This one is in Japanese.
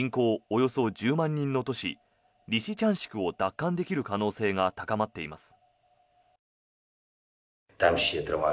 およそ１０万人の都市リシチャンシクを奪還できる可能性が高まっています。